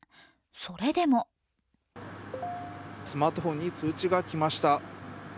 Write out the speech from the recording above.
それでもスマートフォンに通知がきました。